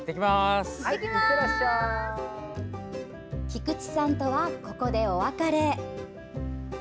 菊池さんとは、ここでお別れ。